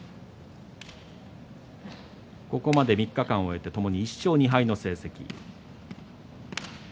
ここまで３日間を終えてともに１勝２敗の成績。